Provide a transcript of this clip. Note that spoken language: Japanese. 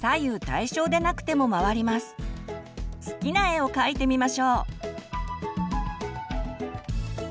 好きな絵を描いてみましょう。